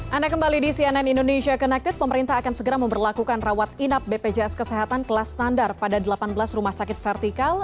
anda kembali di cnn indonesia connected pemerintah akan segera memperlakukan rawat inap bpjs kesehatan kelas standar pada delapan belas rumah sakit vertikal